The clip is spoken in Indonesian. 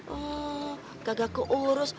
oh kagak keurus